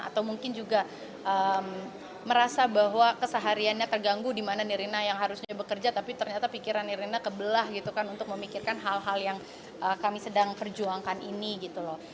atau mungkin juga merasa bahwa kesehariannya terganggu di mana nirina yang harusnya bekerja tapi ternyata pikiran nirina kebelah gitu kan untuk memikirkan hal hal yang kami sedang perjuangkan ini gitu loh